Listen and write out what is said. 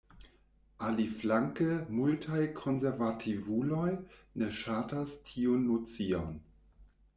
Aliflanke multaj konservativuloj ne ŝatas tiun nocion.